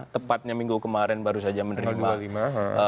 tepatnya minggu kemarin baru saja menerima